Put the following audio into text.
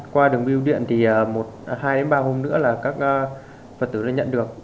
qua đường biêu điện thì hai ba hôm nữa là các phật tử sẽ nhận được